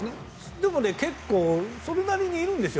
でも結構それなりにいるんですよ